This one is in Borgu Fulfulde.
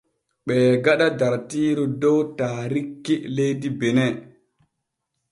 Ɓee gaɗa dartiiru dow taarikki leydi Bene.